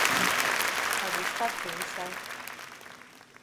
I go stat for wusaid?